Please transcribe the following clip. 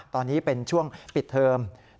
ตอนนี้เป็นช่วงปิดเทอม